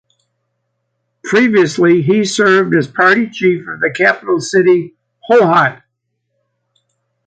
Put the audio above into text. Previously he served as party chief of the capital city Hohhot.